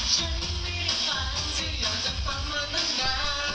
ฉันไม่รับฝันแต่ยังจะฟังคำตำนาน